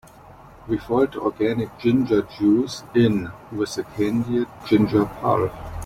We fold the organic ginger juice in with the candied ginger pulp.